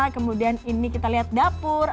kemudian ini kita lihat dapur